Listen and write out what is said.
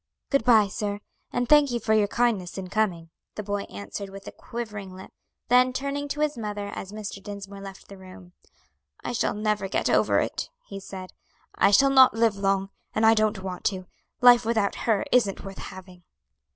"Good bye, sir; and thank you for your kindness in coming," the boy answered with a quivering lip. Then, turning to his mother, as Mr. Dinsmore left the room, "I shall never get over it," he said. "I shall not live long, and I don't want to; life without her isn't worth having."